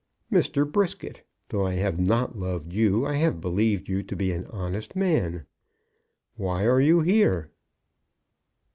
Mr. Brisket, though I have not loved you, I have believed you to be an honest man. Why are you here?"